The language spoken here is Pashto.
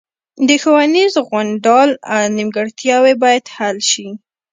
د ښوونیز غونډال نیمګړتیاوې باید حل شي